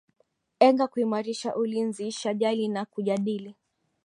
enga kuimarisha ulinzi shajali na kujadili